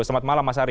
selamat malam mas ari